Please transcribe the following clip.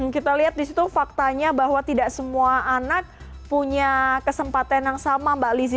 kita lihat di situ faktanya bahwa tidak semua anak punya kesempatan yang sama mbak lizzie